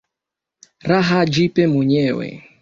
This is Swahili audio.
Raha jipe mwenyewe